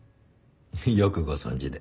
よくご存じで。